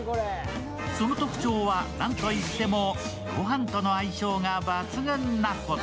その特徴は、なんといっても御飯との相性が抜群のこと。